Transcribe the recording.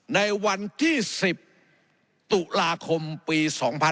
ในวันที่๑๐ตุลาคมปี๒๕๖๒